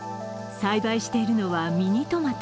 栽培しているのはミニトマト。